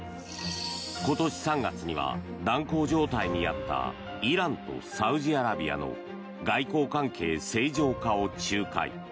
今年３月には、断交状態にあったイランとサウジアラビアの外交関係正常化を仲介。